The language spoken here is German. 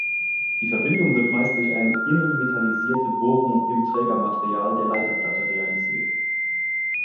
Die Verbindung wird meist durch eine innen metallisierte Bohrung im Trägermaterial der Leiterplatte realisiert.